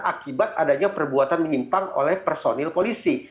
akibat adanya perbuatan menyimpang oleh personil polisi